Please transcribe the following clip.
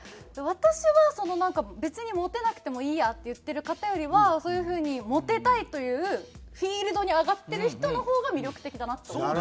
私はそのなんか「別にモテなくてもいいや」って言ってる方よりはそういう風にモテたいというフィールドに上がってる人の方が魅力的だなと。